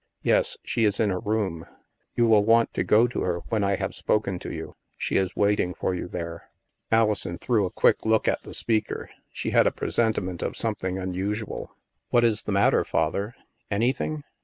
"Yes. She is in her room. You will want to go to her when I have spoken to you. She is wait ing for you there." Alison threw a quick look at the speaker. She had a presentiment of something unusual. 14 THE MASK "What is the matter, Father? Anything?"